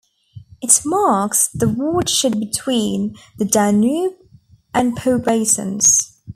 It marks the watershed between the Danube and Po basins.